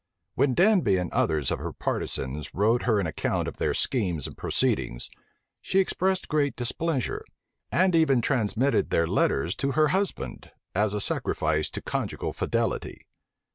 When Danby and others of her partisans wrote her an account of their schemes and proceedings, she expressed great displeasure; and even transmitted their letters to her husband, as a sacrifice to conjugal fidelity.